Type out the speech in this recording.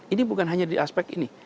ini bukan hanya di aspek ini